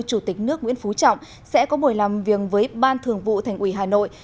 chủ tịch nước nguyễn phú trọng sẽ có buổi làm việc với ban thường vụ thành ủy hà nội